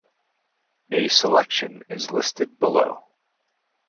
A selection is listed below.